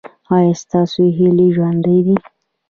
ایا ستاسو هیلې ژوندۍ دي؟